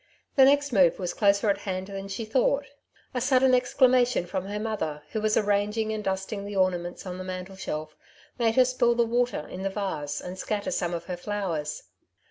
The next move was closer at hand than she thought. A sudden exclamation from her mother, who was arranging and dusting the ornaments on the mantel shelf, made her spill the water in the vase, and scatter some of her flowers.